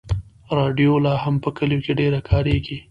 راډیو لا هم په کلیو کې ډېره کارېږي.